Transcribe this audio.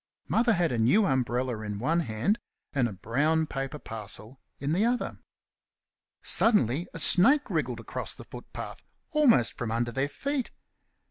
Mother had a new umbrella in one hand and a brown paper parcel in the other. Suddenly a snake wriggled across the footpath, almost from under their feet.